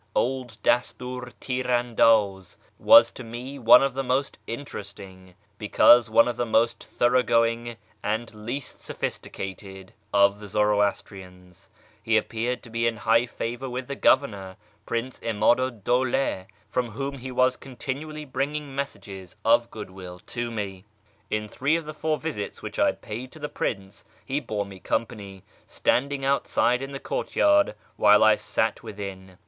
Old Dastiir Tir andaz was to me one of the most interest ing, because one of the most thoroughgoing and least sophisticated, of the Zoroastrians. He appeared to be in higli favour with the governor, Prince 'Imadu 'd Dawla, from whom he was continually bringing messages of goodwill to me. In three of the four visits which I paid to the Prince, he bore me company, standing outside in the courtyard while I sat within.